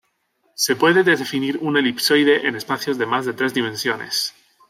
Se puede definir un elipsoide en espacios de más de tres dimensiones.